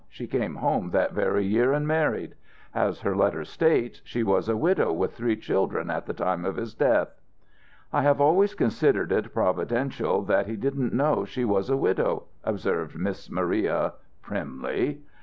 She came home that very year and married. As her letter states, she was a widow with three children at the time of his death." "I have always considered it providential that he didn't know she was a widow," observed Miss Maria, primly.